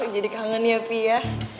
jadi kangen ya pi ya